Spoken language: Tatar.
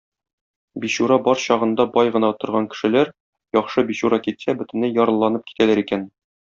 Бичура бар чагында бай гына торган кешеләр, яхшы бичура китсә, бөтенләй ярлыланып китәләр икән.